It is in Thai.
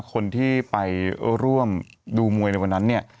คนที่ไปร่วมดูมวยในวันนั้นเนี่ย